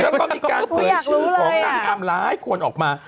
แล้วก็มีการเผยชื่อของนางงามหลายคนออกมา